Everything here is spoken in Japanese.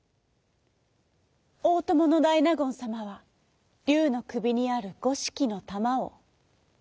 おおとものだいなごんさまはりゅうのくびにあるごしきのたまを。